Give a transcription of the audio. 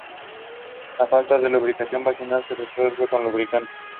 La falta de lubricación vaginal se resuelve con lubricantes.